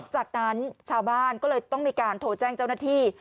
จากนั้นชาวบ้านก็เลยต้องมีการโทรแจ้งเจ้าหน้าที่